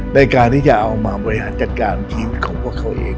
ในการที่จะเอามาบริหารจัดการทีมของพวกเขาเอง